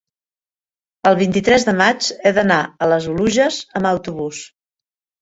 el vint-i-tres de maig he d'anar a les Oluges amb autobús.